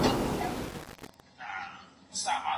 که خلګ يو بل ومني، سوله ټينګېږي.